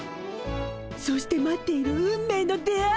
そして待っている運命の出会い。